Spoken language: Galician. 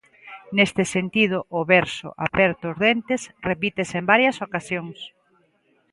Neste sentido, o verso 'Aperto os dentes' repítese en varias ocasións.